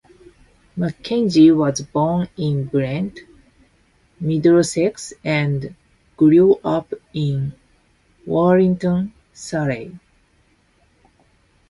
McKenzie was born in Brent, Middlesex and grew up in Wallington, Surrey.